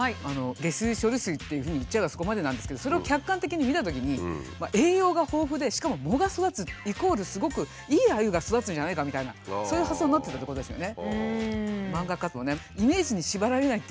「下水処理水」っていうふうに言っちゃえばそこまでなんですけどそれを客観的に見たときに栄養が豊富でしかも藻が育つイコールすごくいいアユが育つんじゃないかみたいなそういう発想になってったっていうことですよね。